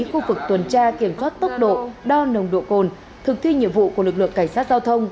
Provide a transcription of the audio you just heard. khu vực tuần tra kiểm soát tốc độ đo nồng độ cồn thực thi nhiệm vụ của lực lượng cảnh sát giao thông